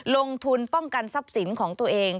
ลงทุนป้องกันทรัพย์สินของตัวเอง